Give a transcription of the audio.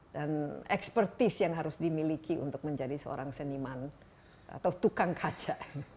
dan ekspertis yang harus dimiliki untuk menjadi seorang seniman atau tukang kaca